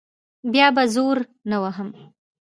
بیا به زور نه وهم.